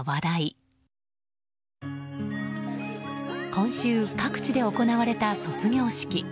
今週、各地で行われた卒業式。